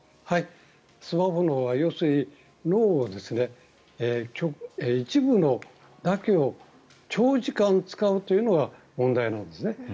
スマホ脳は要するに脳の一部だけを長時間使うというのが問題なんですね。